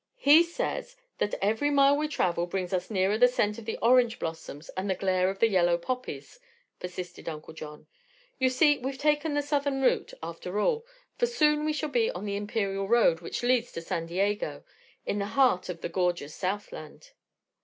"He says that every mile we travel brings us nearer the scent of the orange blossoms and the glare of the yellow poppies," persisted Uncle John. "You see, we've taken the Southern route, after all, for soon we shall be on the Imperial road, which leads to San Diego in the heart of the gorgeous Southland."